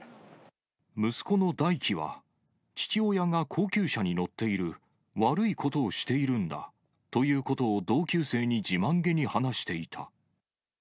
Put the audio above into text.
息子の大祈は、父親が高級車に乗っている、悪いことをしているんだということを、同級生に自慢げに話していた。